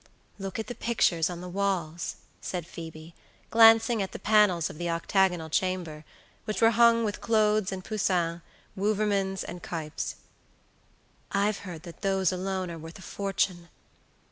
"Look at the pictures on the walls," said Phoebe, glancing at the panels of the octagonal chamber, which were hung with Claudes and Poussins, Wouvermans and Cuyps. "I've heard that those alone are worth a fortune.